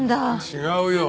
違うよ。